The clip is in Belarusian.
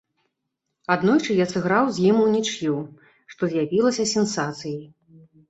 Аднойчы я сыграў з ім унічыю, што з'явілася сенсацыяй.